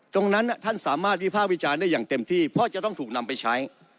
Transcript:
ตรงนั้นท่านสามารถวิภาควิจารณ์ได้อย่างเต็มที่เพราะจะต้องถูกนำไปใช้